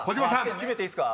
決めていいっすか？